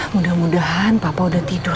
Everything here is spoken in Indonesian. mudah mudahan papa udah tidur